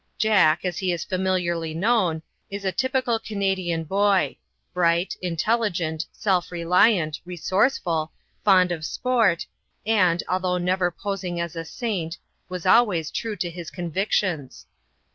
"Jack," as he is familiarly known, is a typical Canadian boy—bright, intelligent, self reliant, resourceful, fond of sport, and, although never posing as a saint was always true to his convictions.